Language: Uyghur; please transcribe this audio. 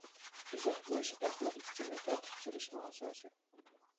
ئىزاھ بېرىش ئەخلەت ئۇچۇرنى تەرتىپكە سېلىشنىڭ ئاساسى.